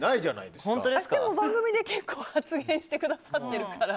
でも番組で結構発言してくださってるから。